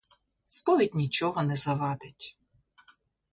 Сповідь нічого не завадить.